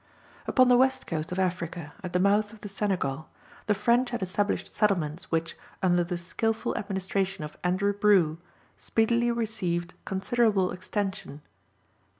Upon the West Coast of Africa at the mouth of the Senegal, the French had established settlements which, under the skilful administration of Andrew Brue, speedily received considerable extension.